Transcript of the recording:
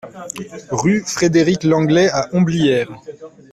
Rue Frédéric Lenglet à Homblières